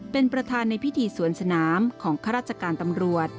เป็นประธานในพิธีสวนสนามของข้าราชการตำรวจ